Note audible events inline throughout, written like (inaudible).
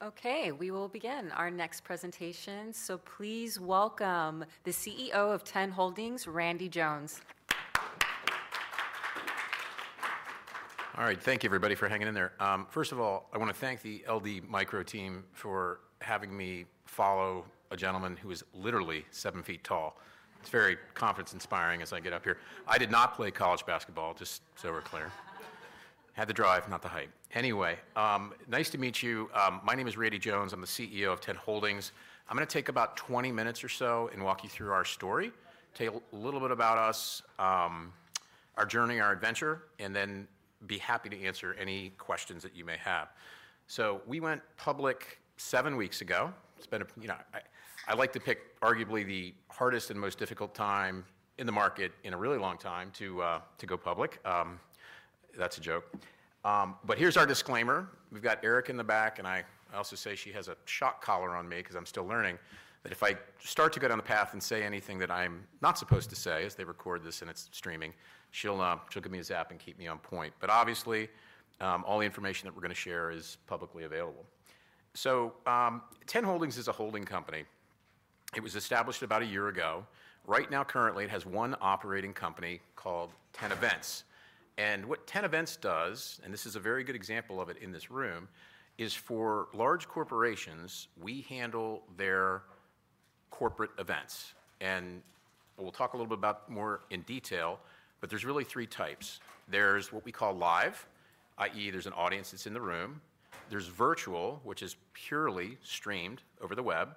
Okay, we will begin our next presentation, so please welcome the CEO of TEN Holdings, Randy Jones. All right, thank you everybody for hanging in there. First of all, I want to thank the LD Micro team for having me follow a gentleman who is literally seven feet tall. It's very confidence-inspiring as I get up here. I did not play college basketball, just so we're clear. Had the drive, not the height. Anyway, nice to meet you. My name is Randy Jones. I'm the CEO of TEN Holdings. I'm going to take about 20 minutes or so and walk you through our story, tell you a little bit about us, our journey, our adventure, and then be happy to answer any questions that you may have. We went public seven weeks ago. It's been a, you know, I like to pick arguably the hardest and most difficult time in the market in a really long time to go public. That's a joke. Here's our disclaimer. We've got Eric in the back, and I also say she has a shock collar on me because I'm still learning that if I start to go down the path and say anything that I'm not supposed to say, as they record this and it's streaming, she'll give me a zap and keep me on point. Obviously, all the information that we're going to share is publicly available. TEN Holdings is a holding company. It was established about a year ago. Right now, currently, it has one operating company called Ten Events. What Ten Events does, and this is a very good example of it in this room, is for large corporations, we handle their corporate events. We'll talk a little bit about more in detail, but there's really three types. There's what we call live, i.e., there's an audience that's in the room. There's virtual, which is purely streamed over the web.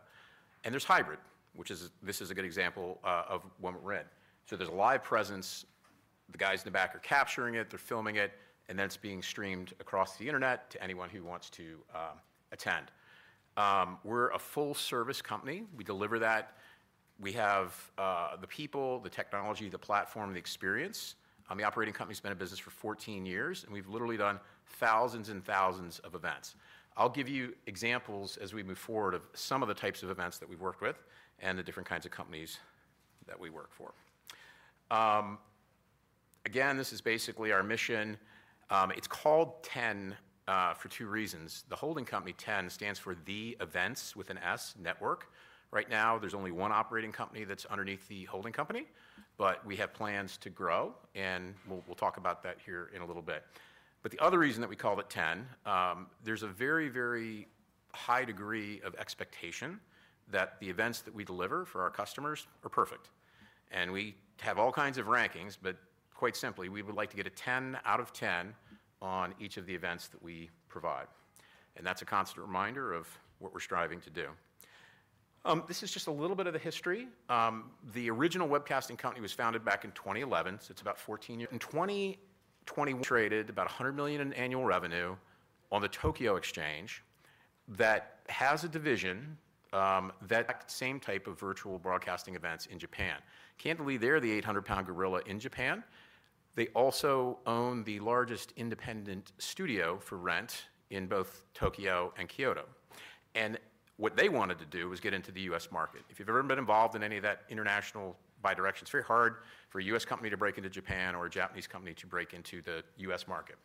There's hybrid, which is, this is a good example of what we're in. There's a live presence. The guys in the back are capturing it, they're filming it, and then it's being streamed across the internet to anyone who wants to attend. We're a full-service company. We deliver that. We have the people, the technology, the platform, the experience. The operating company's been in business for 14 years, and we've literally done thousands and thousands of events. I'll give you examples as we move forward of some of the types of events that we've worked with and the different kinds of companies that we work for. Again, this is basically our mission. It's called TEN for two reasons. The holding company, TEN, stands for The Events with an S, Network. Right now, there's only one operating company that's underneath the holding company, but we have plans to grow, and we'll talk about that here in a little bit. The other reason that we call it TEN, there's a very, very high degree of expectation that the events that we deliver for our customers are perfect. We have all kinds of rankings, but quite simply, we would like to get a 10 out of 10 on each of the events that we provide. That's a constant reminder of what we're striving to do. This is just a little bit of the history. The original webcasting company was founded back in 2011, so it's about 14 years. In 2021, it traded about $100 million in annual revenue on the Tokyo Exchange that has a division that. Same type of virtual broadcasting events in Japan. Candidly, they're the 800-pound gorilla in Japan. They also own the largest independent studio for rent in both Tokyo and Kyoto. What they wanted to do was get into the U.S. market. If you've ever been involved in any of that international bidirection, it's very hard for a U.S. company to break into Japan or a Japanese company to break into the U.S. market.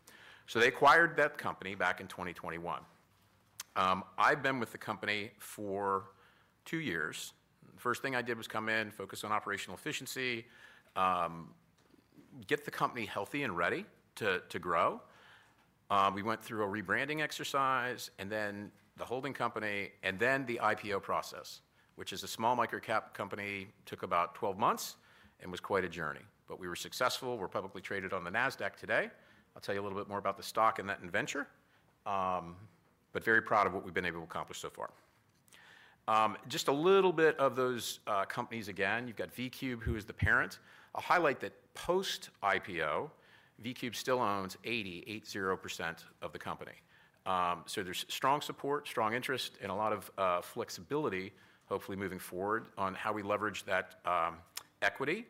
They acquired that company back in 2021. I've been with the company for two years. The first thing I did was come in, focus on operational efficiency, get the company healthy and ready to grow. We went through a rebranding exercise, and then the holding company, and then the IPO process, which is a small microcap company, took about 12 months and was quite a journey. We were successful. We're publicly traded on the NASDAQ today. I'll tell you a little bit more about the stock and that venture, but very proud of what we've been able to accomplish so far. Just a little bit of those companies again. You've got V-cube, who is the parent. I'll highlight that post-IPO, V-cube still owns 80% of the company. There is strong support, strong interest, and a lot of flexibility, hopefully moving forward on how we leverage that equity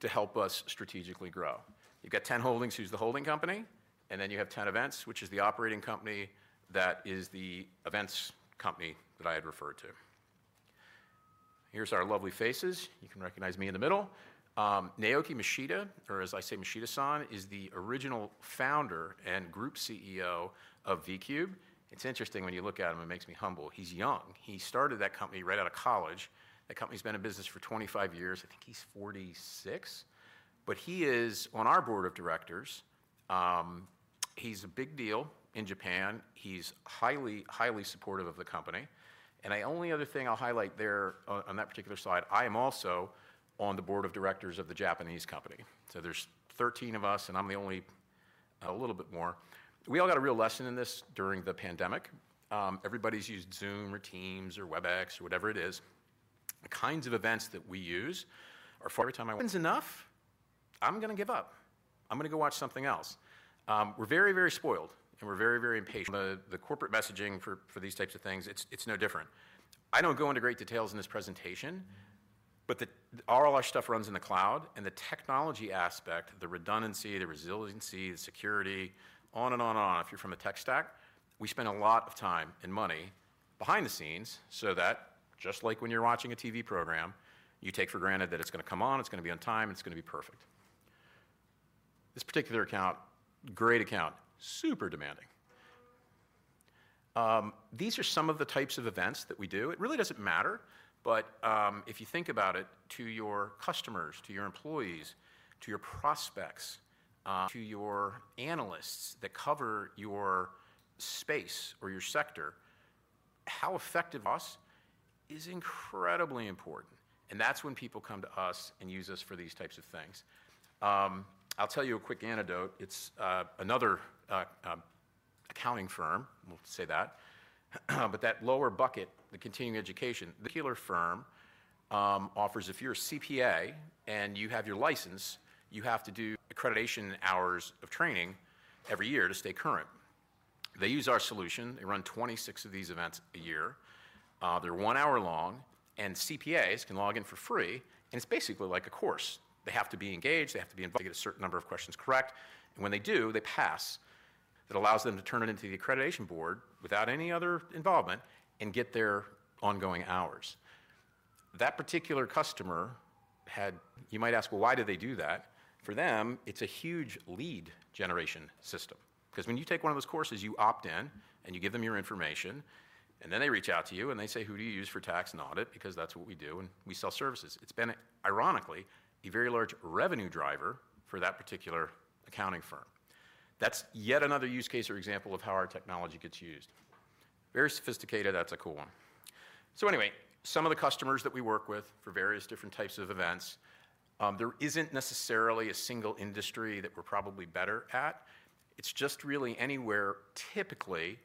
to help us strategically grow. You've got TEN Holdings, who's the holding company, and then you have Ten Events, which is the operating company that is the events company that I had referred to. Here's our lovely faces. You can recognize me in the middle. Naoaki Mishita, or as I say, Mishita-san, is the original founder and group CEO of V-cube. It's interesting when you look at him, it makes me humble. He's young. He started that company right out of college. That company's been in business for 25 years. I think he's 46. He is on our board of directors. He's a big deal in Japan. He's highly, highly supportive of the company. The only other thing I'll highlight there on that particular slide, I am also on the board of directors of the Japanese company. There are 13 of us, and I'm the only a little bit more. We all got a real lesson in this during the pandemic. Everybody's used Zoom or Teams or Webex or whatever it is. The kinds of events that we use are. Time I enough, I'm going to give up. I'm going to go watch something else. We're very, very spoiled, and we're very, very impatient. The corporate messaging for these types of things, it's no different. I don't go into great details in this presentation, but all our stuff runs in the cloud, and the technology aspect, the redundancy, the resiliency, the security, on and on and on. If you're from a tech stack, we spend a lot of time and money behind the scenes so that, just like when you're watching a TV program, you take for granted that it's going to come on, it's going to be on time, it's going to be perfect. This particular account, great account, super demanding. These are some of the types of events that we do. It really doesn't matter, but if you think about it, to your customers, to your employees, to your prospects, to your analysts that cover your space or your sector, how effective us is incredibly important. That's when people come to us and use us for these types of things. I'll tell you a quick anecdote. It's another accounting firm, we'll say that, but that lower bucket, the continuing education, the (audio distortion) firm offers if you're a CPA and you have your license, you have to do accreditation hours of training every year to stay current. They use our solution. They run 26 of these events a year. They're one hour long, and CPAs can log in for free, and it's basically like a course. They have to be engaged, they have to be invited, they get a certain number of questions correct, and when they do, they pass. That allows them to turn it into the accreditation board without any other involvement and get their ongoing hours. That particular customer had. You might ask, why did they do that? For them, it's a huge lead generation system. Because when you take one of those courses, you opt in and you give them your information, and then they reach out to you and they say, who do you use for tax and audit? Because that's what we do and we sell services. It's been, ironically, a very large revenue driver for that particular accounting firm. That's yet another use case or example of how our technology gets used. Very sophisticated, that's a cool one. Anyway, some of the customers that we work with for various different types of events, there isn't necessarily a single industry that we're probably better at. It's just really anywhere typically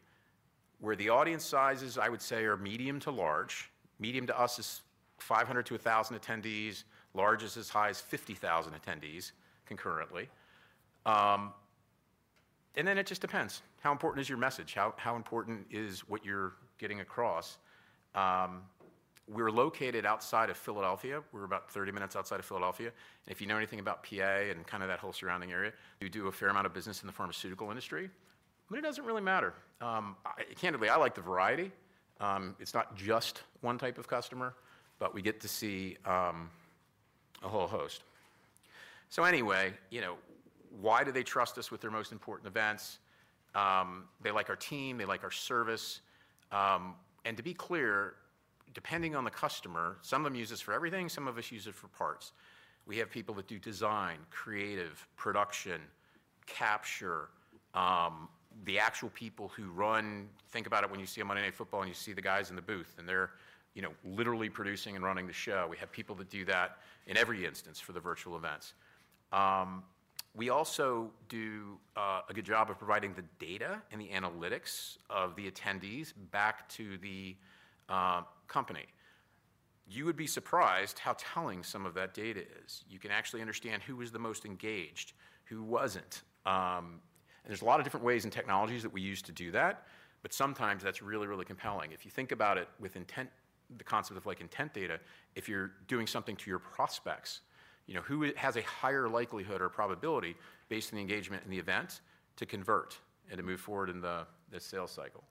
where the audience sizes, I would say, are medium to large. Medium to us is 500 to 1,000 attendees, largest is as high as 50,000 attendees concurrently. It just depends. How important is your message? How important is what you're getting across? We're located outside of Philadelphia. We're about 30 minutes outside of Philadelphia. If you know anything about PA and kind of that whole surrounding area, we do a fair amount of business in the pharmaceutical industry, but it doesn't really matter. Candidly, I like the variety. It's not just one type of customer, but we get to see a whole host. You know, why do they trust us with their most important events? They like our team, they like our service. To be clear, depending on the customer, some of them use us for everything, some of them use us for parts. We have people that do design, creative, production, capture, the actual people who run, think about it when you see Monday Night Football and you see the guys in the booth and they're literally producing and running the show. We have people that do that in every instance for the virtual events. We also do a good job of providing the data and the analytics of the attendees back to the company. You would be surprised how telling some of that data is. You can actually understand who was the most engaged, who wasn't. There is a lot of different ways and technologies that we use to do that, but sometimes that's really, really compelling. If you think about it with the concept of intent data, if you're doing something to your prospects, who has a higher likelihood or probability based on the engagement in the event to convert and to move forward in the sales cycle?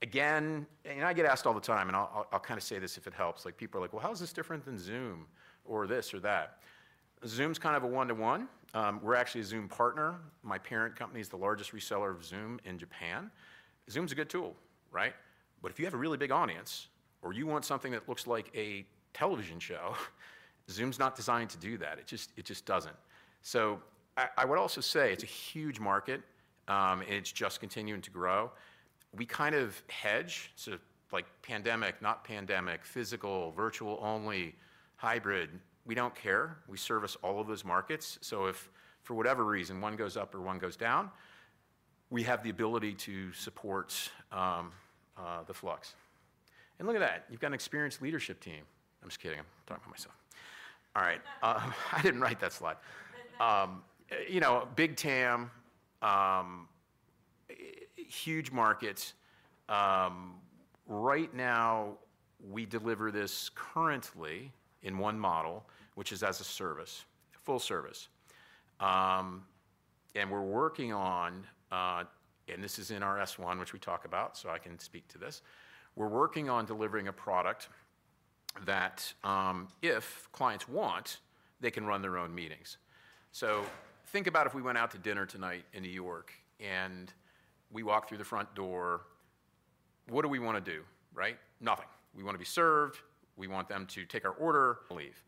Again, and I get asked all the time, and I'll kind of say this if it helps, like people are like, well, how is this different than Zoom or this or that? Zoom's kind of a one-to-one. We're actually a Zoom partner. My parent company is the largest reseller of Zoom in Japan. Zoom's a good tool, right? If you have a really big audience or you want something that looks like a television show, Zoom's not designed to do that. It just doesn't. I would also say it's a huge market and it's just continuing to grow. We kind of hedge, so like pandemic, not pandemic, physical, virtual only, hybrid, we do not care. We service all of those markets. If for whatever reason one goes up or one goes down, we have the ability to support the flux. Look at that. You have got an experienced leadership team. I am just kidding. I am talking about myself. I did not write that slide. You know, big TAM, huge markets. Right now, we deliver this currently in one model, which is as a service, full service. We are working on, and this is in our S1, which we talk about, so I can speak to this. We are working on delivering a product that if clients want, they can run their own meetings. Think about if we went out to dinner tonight in New York and we walk through the front door. What do we want to do? Right? Nothing. We want to be served. We want them to take our order. Leave.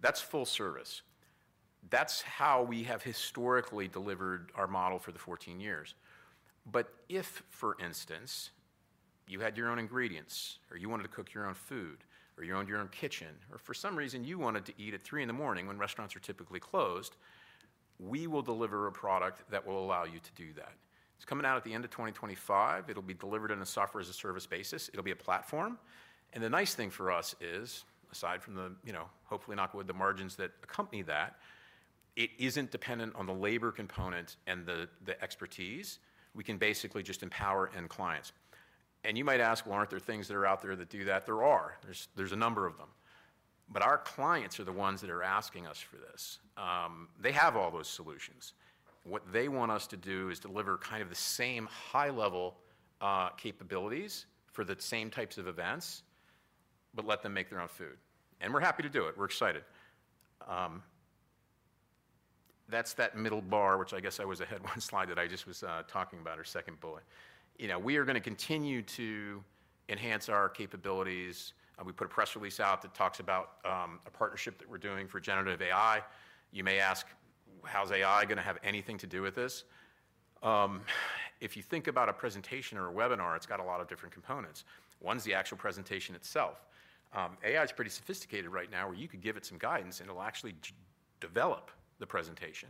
That's full service. That's how we have historically delivered our model for the 14 years. If, for instance, you had your own ingredients or you wanted to cook your own food or you owned your own kitchen or for some reason you wanted to eat at three in the morning when restaurants are typically closed, we will deliver a product that will allow you to do that. It's coming out at the end of 2025. It'll be delivered on a software as a service basis. It'll be a platform. The nice thing for us is, aside from the, you know, hopefully not with the margins that accompany that, it isn't dependent on the labor component and the expertise. We can basically just empower end clients. You might ask, well, aren't there things that are out there that do that? There are. There's a number of them. Our clients are the ones that are asking us for this. They have all those solutions. What they want us to do is deliver kind of the same high-level capabilities for the same types of events, but let them make their own food. We're happy to do it. We're excited. That's that middle bar, which I guess I was ahead one slide that I just was talking about or second bullet. You know, we are going to continue to enhance our capabilities. We put a press release out that talks about a partnership that we're doing for generative AI. You may ask, how's AI going to have anything to do with this? If you think about a presentation or a webinar, it's got a lot of different components. One's the actual presentation itself. AI is pretty sophisticated right now where you could give it some guidance and it'll actually develop the presentation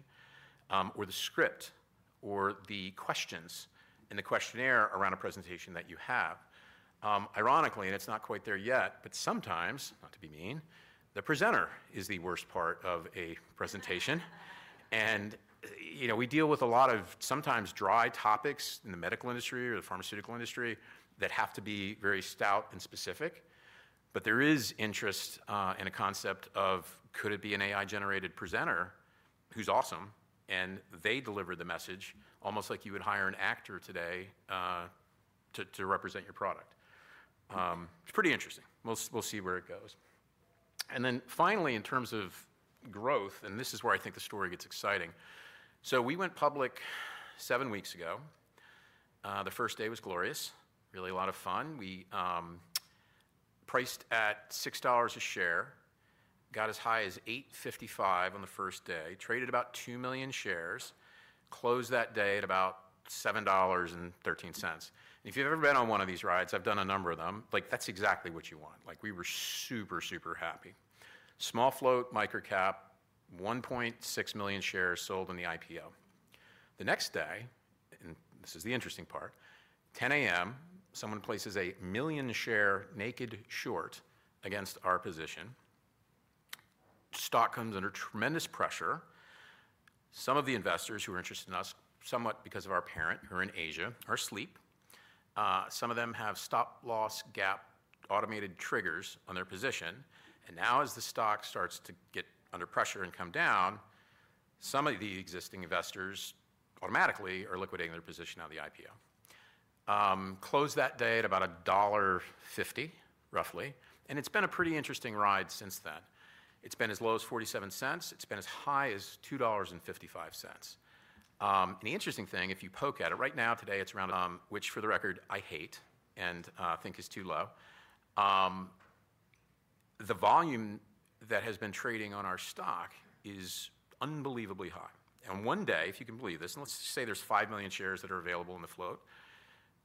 or the script or the questions and the questionnaire around a presentation that you have. Ironically, it's not quite there yet, but sometimes, not to be mean, the presenter is the worst part of a presentation. You know, we deal with a lot of sometimes dry topics in the medical industry or the pharmaceutical industry that have to be very stout and specific. There is interest in a concept of could it be an AI-generated presenter who's awesome and they deliver the message almost like you would hire an actor today to represent your product. It's pretty interesting. We'll see where it goes. Finally, in terms of growth, this is where I think the story gets exciting. We went public seven weeks ago. The first day was glorious. Really a lot of fun. We priced at $6 a share, got as high as $8.55 on the first day, traded about 2 million shares, closed that day at about $7.13. If you've ever been on one of these rides, I've done a number of them, that's exactly what you want. We were super, super happy. Small float microcap, 1.6 million shares sold in the IPO. The next day, this is the interesting part, 10:00 A.M., someone places a million share naked short against our position. Stock comes under tremendous pressure. Some of the investors who are interested in us, somewhat because of our parent who are in Asia, are asleep. Some of them have stop loss gap automated triggers on their position. Now as the stock starts to get under pressure and come down, some of the existing investors automatically are liquidating their position out of the IPO. Closed that day at about $1.50, roughly. It has been a pretty interesting ride since then. It has been as low as $0.47. It has been as high as $2.55. The interesting thing, if you poke at it right now, today it is around, which for the record, I hate and think is too low. The volume that has been trading on our stock is unbelievably high. One day, if you can believe this, and let's just say there are 5 million shares that are available in the float,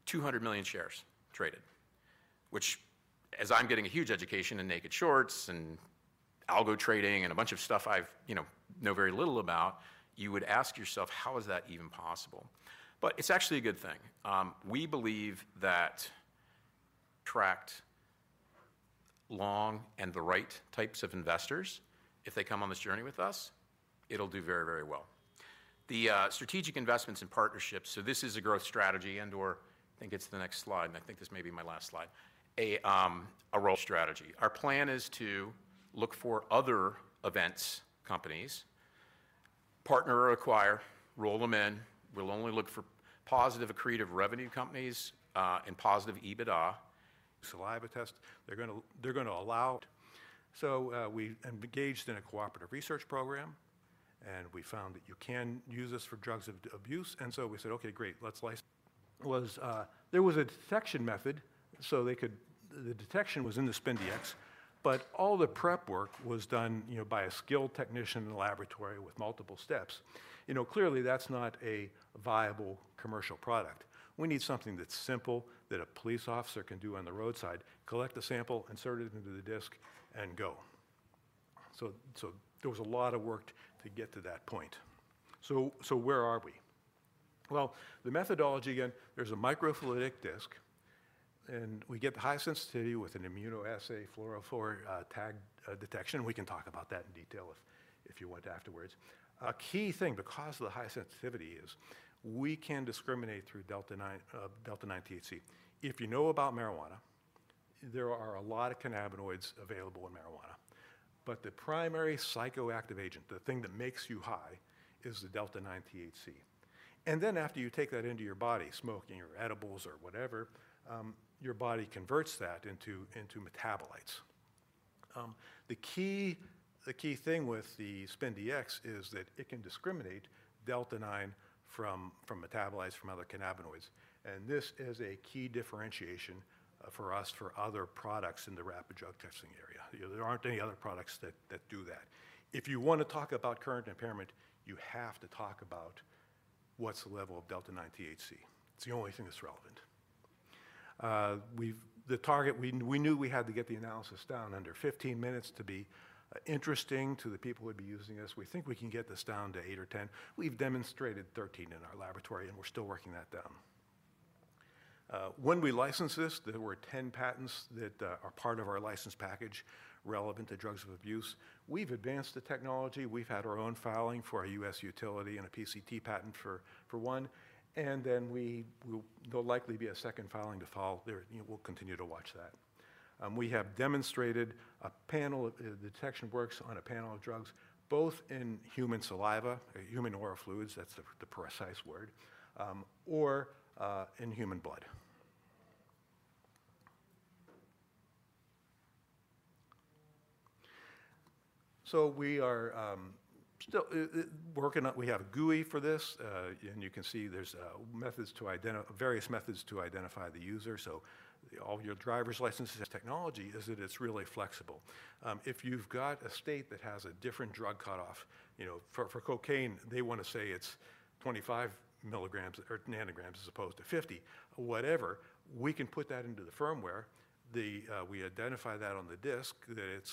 200 million shares traded, which as I'm getting a huge education in naked shorts and algo trading and a bunch of stuff I know very little about, you would ask yourself, how is that even possible? It is actually a good thing. We believe that attracts long and the right types of investors. If they come on this journey with us, it will do very, very well. The strategic investments and partnerships, this is a growth strategy and/or I think it is the next slide, and I think this may be my last slide, a strategy. Our plan is to look for other events companies, partner or acquire, roll them in. We will only look for positive accretive revenue companies and positive EBITDA. Saliva test. They are going to allow. We engaged in a cooperative research program and we found that you can use this for drugs of abuse. We said, okay, great, let's. Was there was a detection method so they could, the detection was in the SpinDx, but all the prep work was done by a skilled technician in the laboratory with multiple steps. You know, clearly that's not a viable commercial product. We need something that's simple that a police officer can do on the roadside, collect the sample, insert it into the disc and go. There was a lot of work to get to that point. Where are we? The methodology again, there's a microfluidic disc and we get the high sensitivity with an immunoassay fluorophore tag detection. We can talk about that in detail if you want afterwards. A key thing because of the high sensitivity is we can discriminate through delta-9 THC. If you know about marijuana, there are a lot of cannabinoids available in marijuana, but the primary psychoactive agent, the thing that makes you high, is the delta-9 THC. After you take that into your body, smoke and your edibles or whatever, your body converts that into metabolites. The key thing with the SpinDx is that it can discriminate delta-9 from metabolites from other cannabinoids. This is a key differentiation for us for other products in the rapid drug testing area. There are not any other products that do that. If you want to talk about current impairment, you have to talk about what is the level of delta-9 THC. It is the only thing that is relevant. The target, we knew we had to get the analysis down under 15 minutes to be interesting to the people who would be using this. We think we can get this down to eight or ten. We've demonstrated 13 in our laboratory and we're still working that down. When we licensed this, there were 10 patents that are part of our license package relevant to drugs of abuse. We've advanced the technology. We've had our own filing for a U.S. utility and a PCT patent for one. There will likely be a second filing to follow. We'll continue to watch that. We have demonstrated a panel of detection works on a panel of drugs, both in human saliva, human oral fluids, that's the precise word, or in human blood. We are still working on, we have a GUI for this and you can see there are methods to identify various methods to identify the user. All your driver's licenses. Technology is that it is really flexible. If you have a state that has a different drug cutoff, you know, for cocaine, they want to say it is 25 mg or ng as opposed to 50, whatever, we can put that into the firmware. We identify that on the disc that it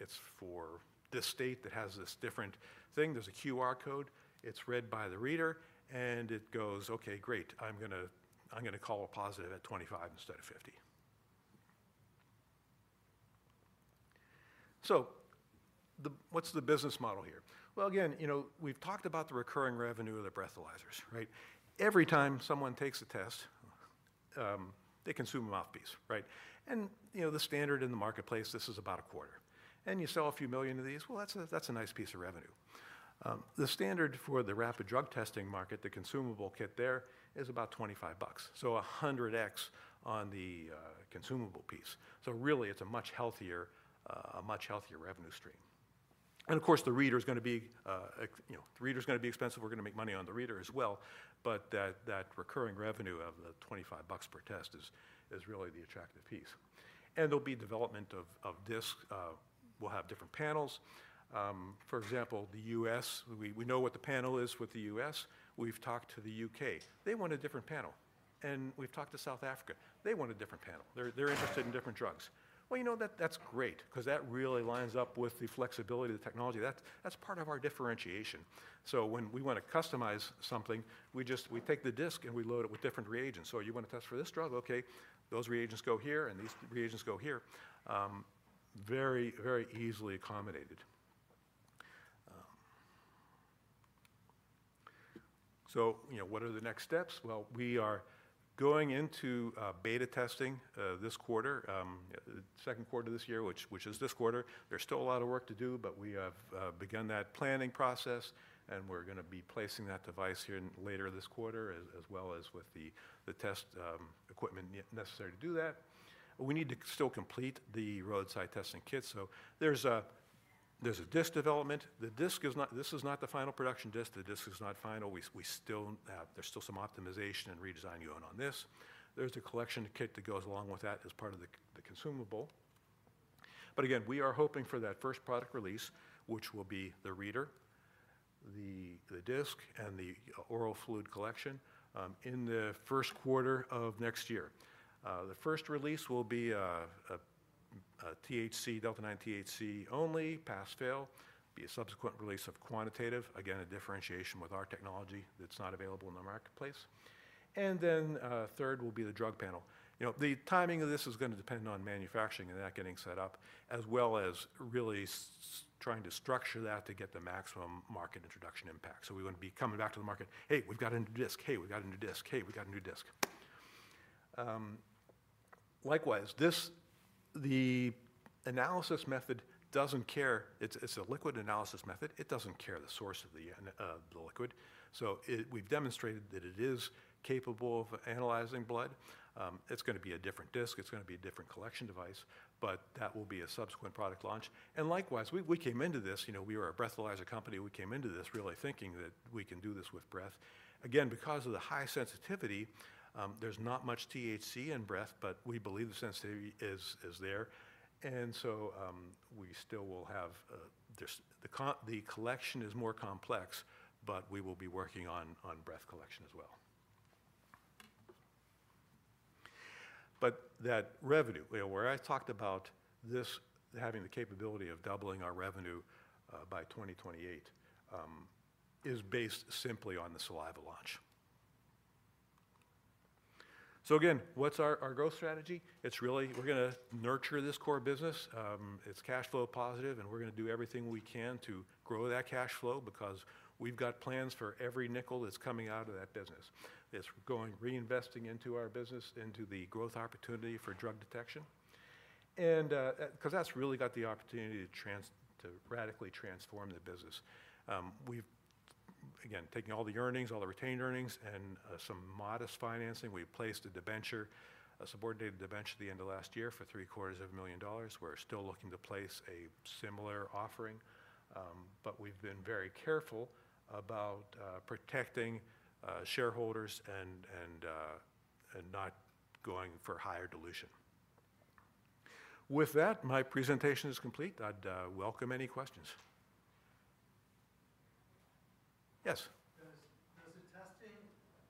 is for this state that has this different thing. There is a QR code. It is read by the reader and it goes, okay, great. I am going to call a positive at 25 instead of 50. What is the business model here? Again, you know, we have talked about the recurring revenue of the breathalyzers, right? Every time someone takes a test, they consume a mouthpiece, right? You know, the standard in the marketplace, this is about a quarter. You sell a few million of these, that is a nice piece of revenue. The standard for the rapid drug testing market, the consumable kit there is about $25. 100x on the consumable piece. It is a much healthier, a much healthier revenue stream. Of course, the reader is going to be, you know, the reader is going to be expensive. We are going to make money on the reader as well. That recurring revenue of the $25 per test is really the attractive piece. There will be development of this. We will have different panels. For example, the U.S., we know what the panel is with the U.S. We have talked to the U.K. They want a different panel. We have talked to South Africa. They want a different panel. They're interested in different drugs. You know, that's great because that really lines up with the flexibility of the technology. That's part of our differentiation. When we want to customize something, we just take the disc and we load it with different reagents. You want to test for this drug, okay, those reagents go here and these reagents go here. Very, very easily accommodated. You know, what are the next steps? We are going into beta testing this quarter, the second quarter of this year, which is this quarter. There's still a lot of work to do, but we have begun that planning process and we're going to be placing that device here later this quarter as well as with the test equipment necessary to do that. We need to still complete the roadside testing kit. There's a disc development. The disc is not, this is not the final production disc. The disc is not final. We still have, there's still some optimization and redesign going on this. There's a collection kit that goes along with that as part of the consumable. Again, we are hoping for that first product release, which will be the reader, the disc, and the oral fluid collection in the first quarter of next year. The first release will be a THC, delta-9 THC only, pass/fail. There will be a subsequent release of quantitative, again, a differentiation with our technology that's not available in the marketplace. Then third will be the drug panel. You know, the timing of this is going to depend on manufacturing and that getting set up as well as really trying to structure that to get the maximum market introduction impact. We want to be coming back to the market, hey, we've got a new disc. Hey, we've got a new disc. Hey, we've got a new disc. Likewise, this, the analysis method doesn't care. It's a liquid analysis method. It doesn't care the source of the liquid. We've demonstrated that it is capable of analyzing blood. It's going to be a different disc. It's going to be a different collection device, but that will be a subsequent product launch. Likewise, we came into this, you know, we were a breathalyzer company. We came into this really thinking that we can do this with breath. Again, because of the high sensitivity, there's not much THC in breath, but we believe the sensitivity is there. We still will have, the collection is more complex, but we will be working on breath collection as well. That revenue, you know, where I talked about this, having the capability of doubling our revenue by 2028 is based simply on the saliva launch. Again, what's our growth strategy? It's really, we're going to nurture this core business. It's cash flow positive and we're going to do everything we can to grow that cash flow because we've got plans for every nickel that's coming out of that business. It's going reinvesting into our business, into the growth opportunity for drug detection. Because that's really got the opportunity to radically transform the business. We've, again, taken all the earnings, all the retained earnings and some modest financing. We placed a debenture, a subordinated debenture at the end of last year for $750,000. We're still looking to place a similar offering, but we've been very careful about protecting shareholders and not going for higher dilution. With that, my presentation is complete. I'd welcome any questions. Yes. Does the testing,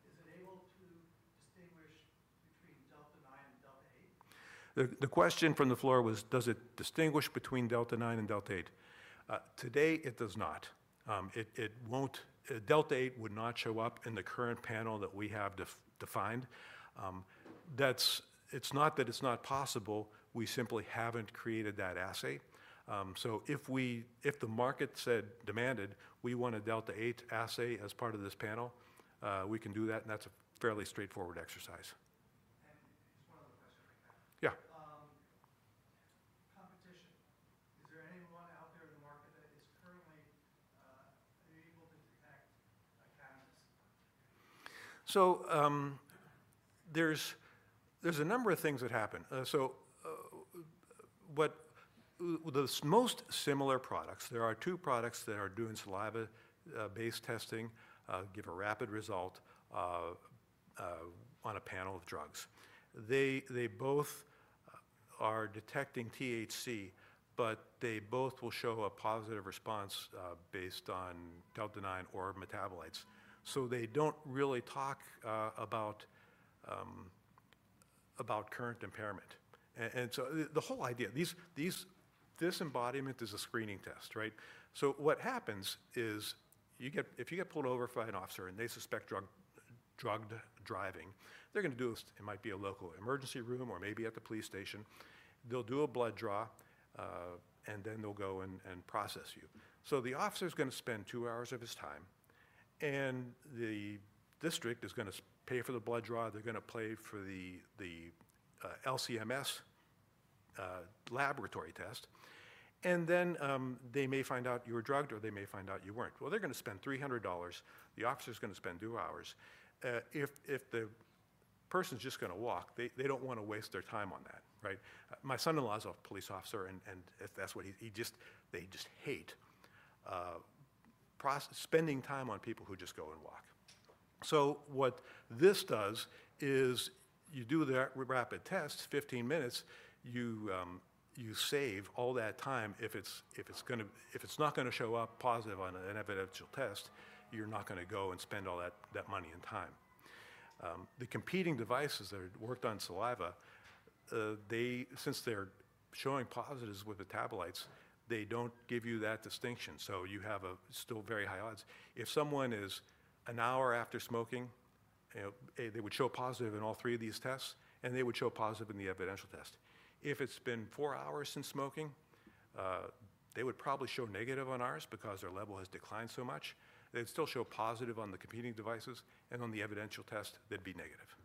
is it able to distinguish between delta-9 and delta-8? The question from the floor was, does it distinguish between delta-9 and delta-8? Today, it does not. It won't, delta-8 would not show up in the current panel that we have defined. That's, it's not that it's not possible. We simply haven't created that assay. If the market said demanded, we want a delta-8 assay as part of this panel, we can do that. That's a fairly straightforward exercise. Just one other question right now. Yeah. Competition. Is there anyone out there in the market that is currently, are you able to detect cannabis? There's a number of things that happen. What the most similar products, there are two products that are doing saliva-based testing, give a rapid result on a panel of drugs. They both are detecting THC, but they both will show a positive response based on delta-9 or metabolites. They don't really talk about current impairment. The whole idea, this embodiment is a screening test, right? What happens is you get, if you get pulled over by an officer and they suspect drugged driving, they're going to do, it might be a local emergency room or maybe at the police station. They'll do a blood draw and then they'll go and process you. The officer's going to spend two hours of his time and the district is going to pay for the blood draw. They're going to pay for the LCMS laboratory test. They may find out you were drugged or they may find out you were not. They are going to spend $300. The officer is going to spend two hours. If the person is just going to walk, they do not want to waste their time on that, right? My son-in-law is a police officer and that is what he just, they just hate spending time on people who just go and walk. What this does is you do the rapid tests, 15 minutes, you save all that time. If it is not going to show up positive on an evidential test, you are not going to go and spend all that money and time. The competing devices that worked on saliva, since they are showing positives with metabolites, they do not give you that distinction. You have a still very high odds. If someone is an hour after smoking, you know, they would show positive in all three of these tests and they would show positive in the evidential test. If it's been four hours since smoking, they would probably show negative on ours because their level has declined so much. They'd still show positive on the competing devices and on the evidential test, they'd be negative.